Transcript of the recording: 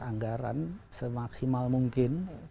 anggaran semaksimal mungkin